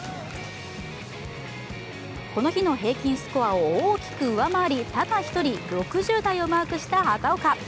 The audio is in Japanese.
この日の平均スコアを大きく上回りただ一人、６０台をマークした畑岡。